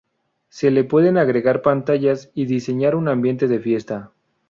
Se le pueden agregar pantallas y diseñar un ambiente de fiesta.